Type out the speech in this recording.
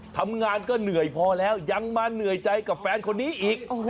ทำงานก็เหนื่อยพอแล้วยังมาเหนื่อยใจกับแฟนคนนี้อีก